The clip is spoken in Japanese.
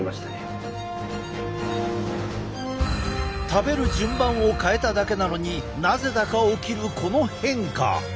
食べる順番を変えただけなのになぜだか起きるこの変化！